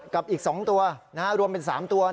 กับอีกสองตัวรวมเป็นสามตัว